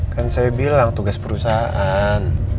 kan saya bilang tugas perusahaan